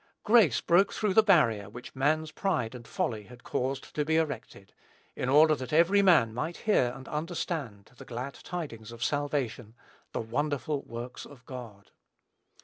Grace broke through the barrier which man's pride and folly had caused to be erected, in order that every man might hear and understand the glad tidings of salvation, "the wonderful works of God."